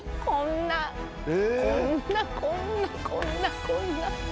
こんなこんなこんなこんな。